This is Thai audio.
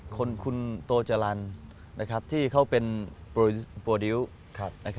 คนคุณโตจรรย์ที่เขาเป็นโปรดิวต์